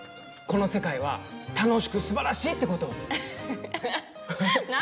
この世界は楽しくすばらしいってことを。